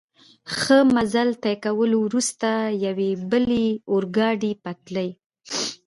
ښه مزل طی کولو وروسته، یوې بلې اورګاډي پټلۍ.